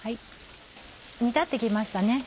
煮立って来ましたね。